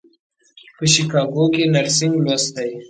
په شیکاګو کې یې نرسنګ لوستی.